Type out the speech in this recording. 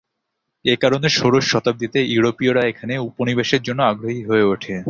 এ কারনে ষোড়শ শতাব্দীতে ইউরোপীয়রা এখানে উপনিবেশের জন্য আগ্রহী হয়ে ওঠে।